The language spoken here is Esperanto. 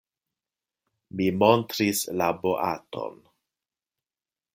Mi montris la boaton.